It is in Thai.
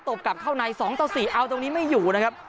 บกลับเข้าใน๒ต่อ๔เอาตรงนี้ไม่อยู่นะครับ